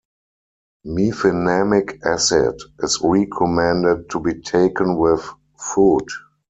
Mefenamic acid is recommended to be taken with food.